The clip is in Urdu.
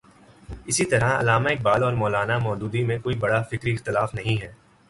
اسی طرح علامہ اقبال اور مو لا نا مو دودی میں کوئی بڑا فکری اختلاف نہیں ہے۔